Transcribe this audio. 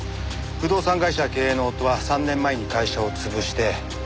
不動産会社経営の夫は３年前に会社を潰して行方不明。